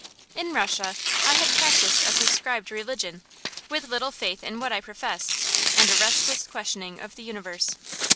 In Russia I had practised a prescribed religion, with little faith in what I professed, and a restless questioning of the universe.